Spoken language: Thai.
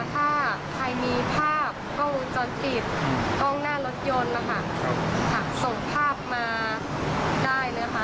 ถ้าใครมีภาพกล้องจดกิจกล้องหน้ารถยนต์ส่งภาพมาได้เลยค่ะ